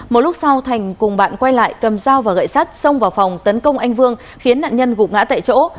một lúc sau thành cùng bạn quay lại cầm dao và gậy sắt xông vào phòng tấn công anh vương khiến nạn nhân gục ngã tại chỗ